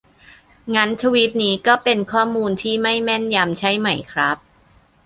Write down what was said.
งั้นทวีตนี้ก็เป็นข้อมูลที่ไม่แม่นยำใช่ไหมครับ